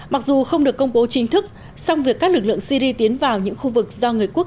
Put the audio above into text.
mặc dù không được công bố chính thức song việc các lực lượng syri tiến vào những khu vực do người quốc